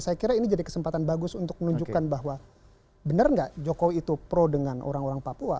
saya kira ini jadi kesempatan bagus untuk menunjukkan bahwa benar nggak jokowi itu pro dengan orang orang papua